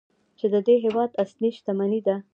چې د دې هیواد اصلي شتمني ده.